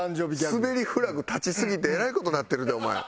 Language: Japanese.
スベりフラグ立ちすぎてえらい事になってるでお前。